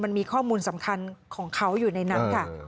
มันมีข้อมูลสำคัญของเขาอยู่ในนั้นค่ะ